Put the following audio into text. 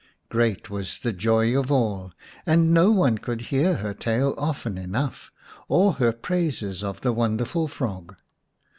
Great was the joy of all, and no one could hear her tale often enough, or her praises of the wonderful frog.